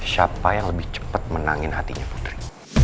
siapa yang lebih cepat menangin hatinya putri